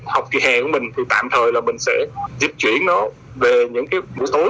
học kỳ hè của mình thì tạm thời là mình sẽ di chuyển nó về những cái mỗi tối